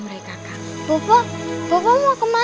bapak bapak mau ke mana